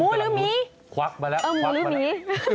หมูหรือหมีควักมาแล้วควักมาแล้ว